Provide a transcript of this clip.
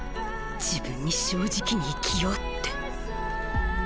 自分に正直に生きようって。